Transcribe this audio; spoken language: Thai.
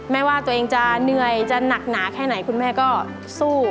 ไม่ว่าตัวเองจะเหนื่อยจะหนักหนาแค่ไหนคุณแม่ก็สู้